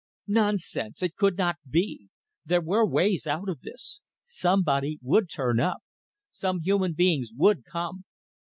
Nonsense! It could not be. There were ways out of this. Somebody would turn up. Some human beings would come.